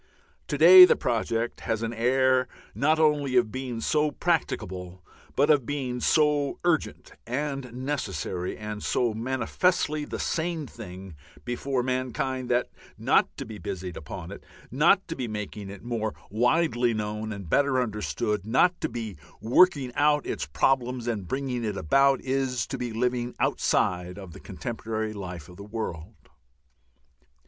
To day the project has an air not only of being so practicable, but of being so urgent and necessary and so manifestly the sane thing before mankind that not to be busied upon it, not to be making it more widely known and better understood, not to be working out its problems and bringing it about, is to be living outside of the contemporary life of the world.